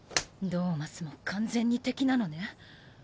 ドーマスも完全に敵なのね。